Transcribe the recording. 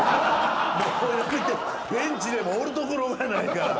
ベンチでもおるところがないから。